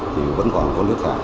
thì vẫn còn có nước khẳng